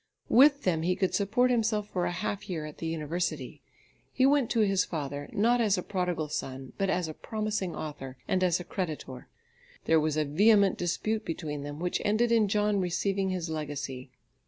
With them he could support himself for a half year at the university. He went to his father, not as a prodigal son, but as a promising author, and as a creditor. There was a vehement dispute between them which ended in John receiving his legacy.